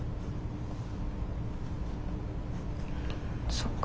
そっか。